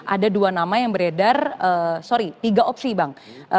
ada dua nama yang beredar sorry tiga opsi bang